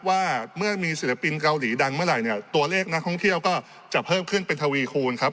ว่าเมื่อมีศิลปินเกาหลีดังเมื่อไหร่เนี่ยตัวเลขนักท่องเที่ยวก็จะเพิ่มขึ้นเป็นทวีคูณครับ